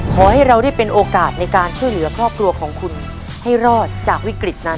ขอให้เราได้เป็นโอกาสในการช่วยเหลือครอบครัวของคุณให้รอดจากวิกฤตนั้น